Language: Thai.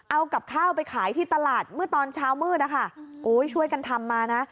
เอากับข้าวไปขายที่ตลาดเมื่อตอนเช้ามืดนะคะโอ้ยช่วยกันทำมานะ